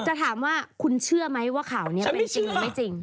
จะถามว่าคุณเชื่อไหมว่าข่าวนี้เป็นจริงหรือไม่จริง